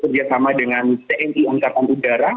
kerjasama dengan tni angkatan udara